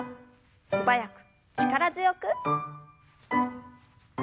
素早く力強く。